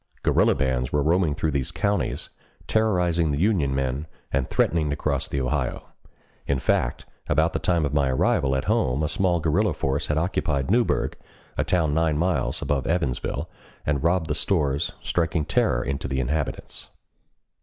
Guerrilla bands were roaming through these counties, terrorizing the Union men, and threatening to cross the Ohio. In fact, about the time of my arrival at home a small guerrilla force had occupied Newburg, a town nine miles above Evansville, and robbed the stores, striking terror into the inhabitants.